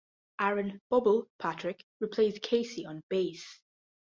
Aaron "Bubble" Patrick replaced Casey on bass.